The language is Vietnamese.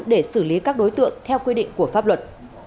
để xử lý các đối tượng theo quy định của pháp luật